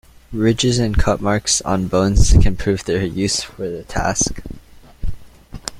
Ridges and cut marks on bones can prove their use for the task.